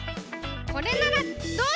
これならどうだ！